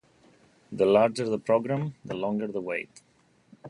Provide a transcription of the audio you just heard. The larger the program, the longer the wait.